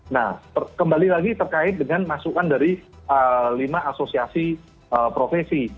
nah kembali lagi terkait dengan masukan dari lima asosiasi profesi